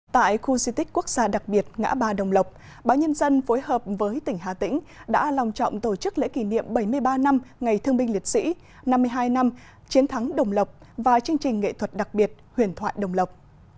tại khu di tích quốc gia đặc biệt ngã ba đồng lộc báo nhân dân phối hợp với tỉnh hà tĩnh đã lòng trọng tổ chức lễ kỷ niệm bảy mươi ba năm ngày thương binh liệt sĩ năm mươi hai năm chiến thắng đồng lộc và chương trình nghệ thuật đặc biệt huyền thoại đồng lộc